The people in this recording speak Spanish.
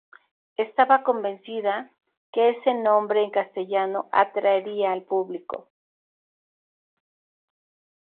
Estaba convencida que ese nombre en castellano atraería al público.